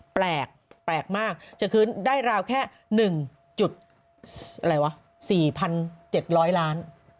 แปลกแปลกมากจะคือได้ราวแค่๑๔พันเจ็ดร้อยล้าน